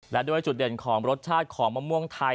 และด้วยจุดเด่นของรสชาติของมะม่วงไทย